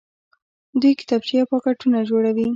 دوی کتابچې او پاکټونه جوړوي.